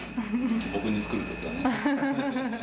僕に作るときはね。